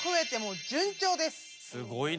すごいね。